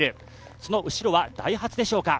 その後ろはダイハツでしょうか。